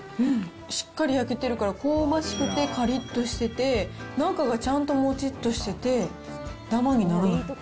しっかり焼けてるから、香ばしくてかりっとしてて、中がちゃんともちっとしてて、だまにならない。